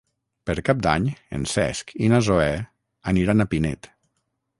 Per Cap d'Any en Cesc i na Zoè aniran a Pinet.